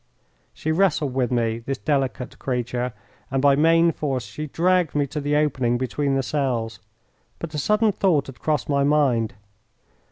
She wrestled with me, this delicate creature, and by main force she dragged me to the opening between the cells. But a sudden thought had crossed my mind.